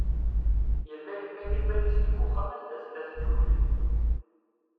Yella yeqqim iman-is deg uxxam anda tella tdukkli.